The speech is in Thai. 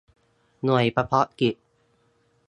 หน่วยเฉพาะกิจ